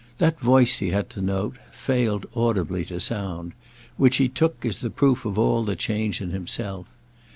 That voice, he had to note, failed audibly to sound; which he took as the proof of all the change in himself.